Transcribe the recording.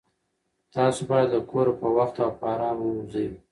تاسو باید له کوره په وخت او په ارامه ووځئ.